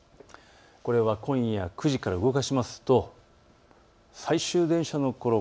今夜９時から動かしますと最終電車のころ